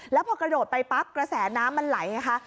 แล้วพอกระโดดไปปั๊บกระแสน้ำมันไหลไงคะ